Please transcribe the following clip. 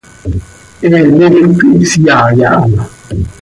He miicp ihsyai aha.